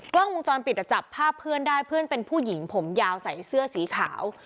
กล้องวงจรปิดจับภาพเพื่อนได้เพื่อนเป็นผู้หญิงผมยาวใส่เสื้อสีขาว